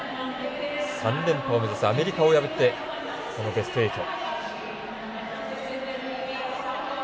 ３連覇を目指すアメリカを破ってベスト８。